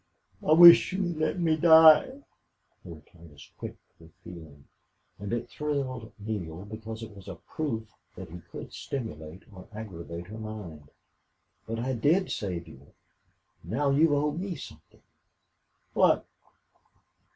"I wish you had let me die." Her reply was quick with feeling, and it thrilled Neale because it was a proof that he could stimulate or aggravate her mind. "But I DID save you. Now you owe me something." "What?"